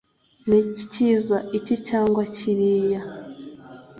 niki cyiza, iki cyangwa kiriya?